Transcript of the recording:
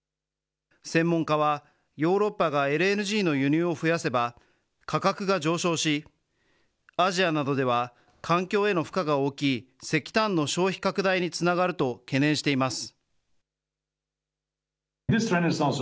専門家はヨーロッパがＬＮＧの輸入を増やせば価格が上昇し、アジアなどでは環境への負荷が大きい石炭の消費拡大につながると懸念しています。